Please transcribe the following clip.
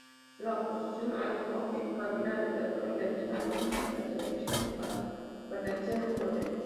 La oposición alegó que Kabila retrasó intencionalmente las elecciones para permanecer en el poder.